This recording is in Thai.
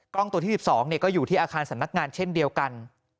ตัวที่๑๒ก็อยู่ที่อาคารสำนักงานเช่นเดียวกัน